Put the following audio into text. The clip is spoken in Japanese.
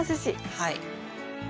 はい。